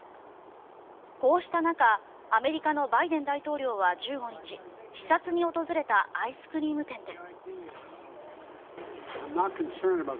こうした中アメリカのバイデン大統領は１５日、視察に訪れたアイスクリーム店で。